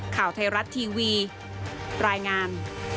ข่าวไทยรัฐทีวีรายงาน